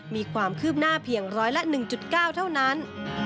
มีความคืบหน้าเพียงร้อยละ๑๙เท่านั้น